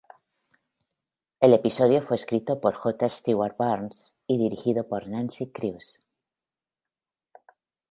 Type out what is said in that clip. El episodio fue escrito por J. Stewart Burns y dirigido por Nancy Kruse.